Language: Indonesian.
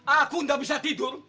aku enggak bisa tidur